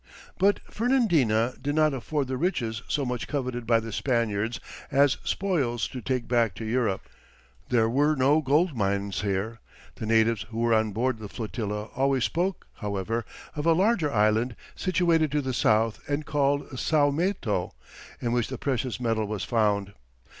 But Fernandina did not afford the riches so much coveted by the Spaniards as spoils to take back to Europe; there were no gold mines here; the natives who were on board the flotilla always spoke, however, of a larger island, situated to the south and called Saometo, in which the precious metal was found.